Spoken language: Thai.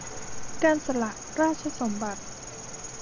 การสละราชสมบัติ